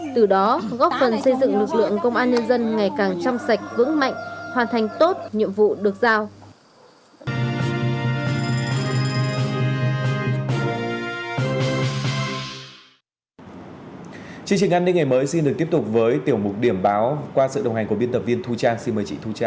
từ đó góp phần xây dựng lực lượng công an nhân dân ngày càng chăm sạch vững mạnh hoàn thành tốt nhiệm vụ được giao